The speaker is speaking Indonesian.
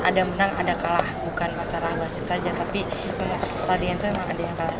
ada menang ada kalah bukan masalah wasit saja tapi pertandingan itu memang ada yang kalah